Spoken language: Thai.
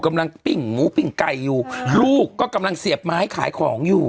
กำลังปิ้งหมูปิ้งไก่อยู่อ่าลูกก็กำลังเสียบมาให้ขายของอยู่